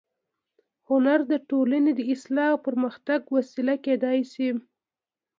هنر د ټولنې د اصلاح او پرمختګ وسیله کېدای شي